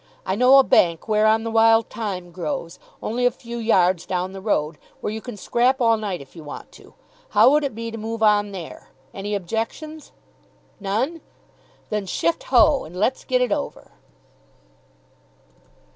I know a bank whereon the wild thyme grows, only a few yards down the road, where you can scrap all night if you want to. How would it be to move on there? Any objections? None? Then shift ho! and let's get it over."